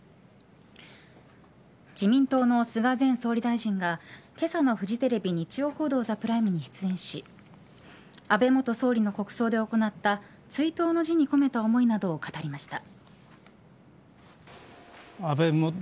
自民党の菅前総理大臣がけさのフジテレビ日曜報道ＴＨＥＰＲＩＭＥに出演し安倍元総理の国葬で行った追悼の辞に込めた思いなどを語りました。